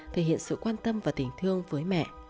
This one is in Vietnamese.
thể hiện sự quan tâm và tình thương với mẹ